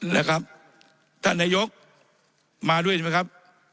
นะครับท่านนายกมาด้วยใช่ไหมครับ